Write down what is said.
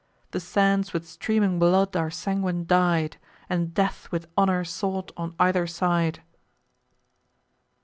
The sands with streaming blood are sanguine dyed, And death with honour sought on either side.